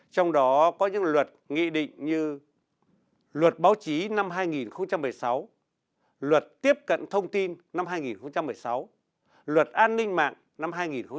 trong đó có những luật nghị định như luật báo chí năm hai nghìn một mươi sáu luật tiếp cận thông tin năm hai nghìn một mươi sáu luật an ninh mạng năm hai nghìn một mươi bảy